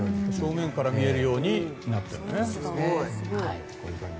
正面から見えるようになってる。